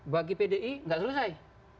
bagi pdi tidak selesai